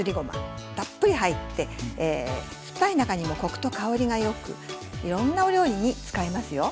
たっぷり入って酸っぱい中にもコクと香りがよくいろんなお料理に使えますよ。